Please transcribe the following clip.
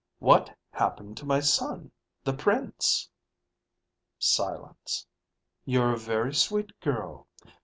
What happened to my son, the Prince?" Silence. "You're a very sweet girl.